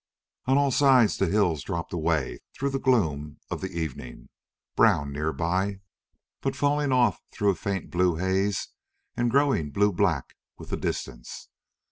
On all sides the hills dropped away through the gloom of the evening, brown nearby, but falling off through a faint blue haze and growing blue black with the distance.